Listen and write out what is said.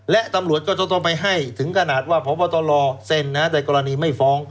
และตำรวจก็จะต้องไปให้ถึงขนาดว่าพบตรเซ็นในกรณีไม่ฟ้อง